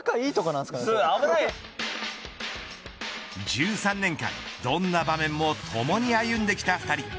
１３年間どんな場面もともに歩んできた２人。